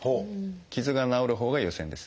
傷が治るほうが優先です。